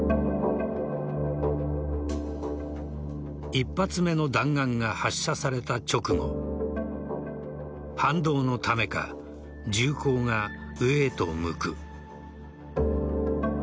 １発目の弾丸が発射された直後反動のためか、銃口が上へと向く。